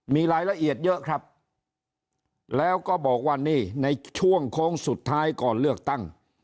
มีรายละเอียดเยอะครับแล้วก็บอกว่านี่ในช่วงโค้งสุดท้ายก่อนเลือกตั้ง